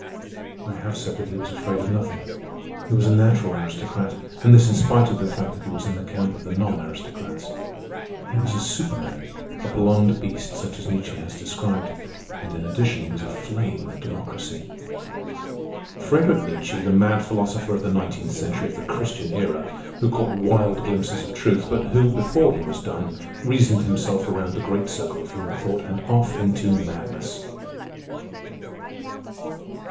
I have said that he was afraid of nothing. He was a natural aristocrat—and this in spite of the fact that he was in the camp of the non aristocrats. He was a superman, a blond beast such as Nietzsche has described, and in addition he was aflame with democracy. Friederich Nietzsche, the mad philosopher of the nineteenth century of the Christian Era, who caught wild glimpses of truth, but who, before he was done, reasoned himself around the great circle of human thought and off into madness.